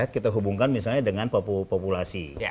kita hubungkan misalnya dengan populasi